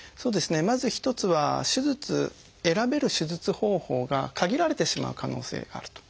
まず一つは手術選べる手術方法が限られてしまう可能性があると。